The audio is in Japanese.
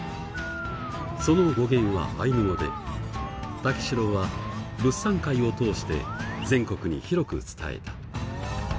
その語源はアイヌ語で武四郎は物産会を通して全国に広く伝えた。